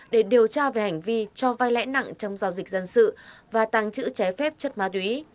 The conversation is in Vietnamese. để điều tra về hành vi cho vai lãi nặng trong giao dịch dân sự và tàng trữ trái phép chất ma túy